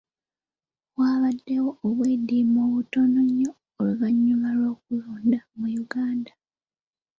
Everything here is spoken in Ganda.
Wabaddewo obweddiimo butono nnyo oluvannyuma lw'okulonda mu Uganda.